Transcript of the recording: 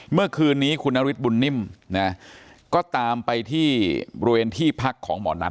เมื่อคืนนี้คุณนฤทธบุญนิ่มนะก็ตามไปที่บริเวณที่พักของหมอนัท